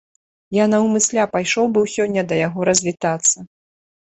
Я наўмысля пайшоў быў сёння да яго развітацца.